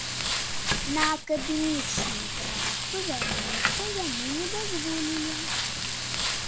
На акадэмічную працу вярнуцца яму не дазволілі.